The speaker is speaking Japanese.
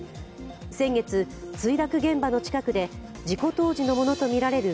先月、墜落現場の近くで事故当時のものとみられる